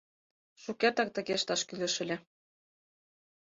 Шукертак тыге ышташ кӱлеш ыле.